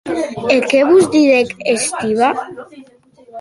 E qué vos didec Stiva?